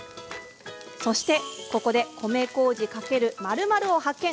そして、ここで米こうじ×〇〇を発見！